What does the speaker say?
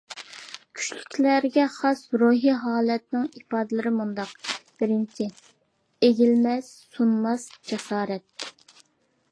كۈچلۈكلەرگە خاس روھىي ھالەتنىڭ ئىپادىلىرى مۇنداق: بىرىنچى، ئېگىلمەس-سۇنماس جاسارەت.